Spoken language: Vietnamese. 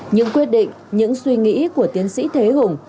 những quyết định những suy nghĩ của tiến sĩ thế hùng